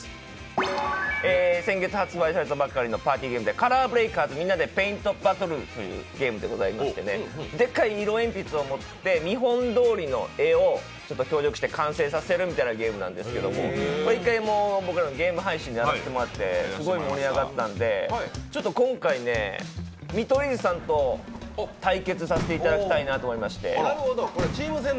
先月発売されたばかりのパーティーゲームで「カラーブレイカーズみんなでペイントバトル」というものででっかい色鉛筆を持って、見本どおりの絵を協力して完成させるみたいなゲームなんですけど、１回、僕らゲーム配信でやらせてもらってすごい盛り上がったんで今回、見取り図さんと対決させていただきたいなと思いまして。